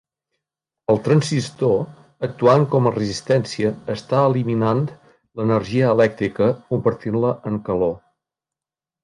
El transistor actuant com a resistència està eliminant l'energia elèctrica convertint-la en calor.